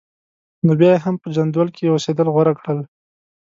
نو بیا یې هم په جندول کې اوسېدل غوره کړل.